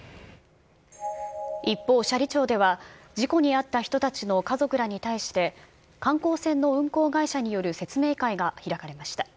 一方、斜里町では、事故に遭った人たちの家族らに対して、観光船の運航会社による説明会が開かれました。